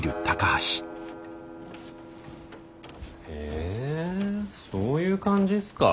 えそういう感じっすか？